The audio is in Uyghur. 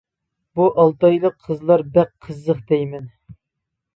بۇ ئالتايلىق قىزلار بەك قىزىق دەيمەن.